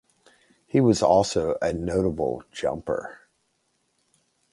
He was also a notable long jumper.